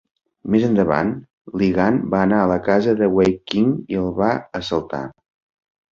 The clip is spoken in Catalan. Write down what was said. Més endavant, Li Gan va anar a la casa de Wei Qing i el va assaltar.